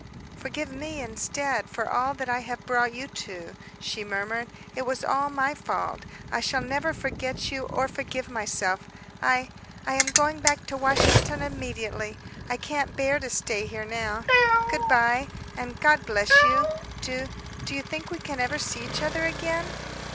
"Forgive me instead, for all that I have brought you to," she murmured. "It was all my fault. I shall never forget you or forgive myself. I I am going back to Washin'ton immediately. I can't bear to stay here now. Good bye, and God bless you. Do do you think we shall ever see each other again?"